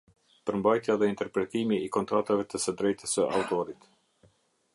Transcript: Përmbajtja dhe interpretimi i kontratave të së drejtës së autorit.